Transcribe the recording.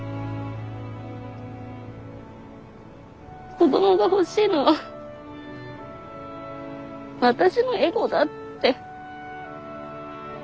子どもが欲しいのは私のエゴだって。